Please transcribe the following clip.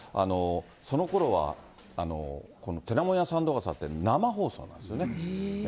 そのころは、このてなもんや三度笠って生放送なんですよね。